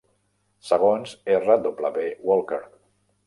Segons R. W. Walker.